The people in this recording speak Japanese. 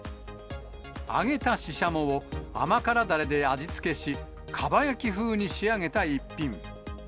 揚げたシシャモを甘辛だれで味付けし、かば焼き風に仕上げた一品。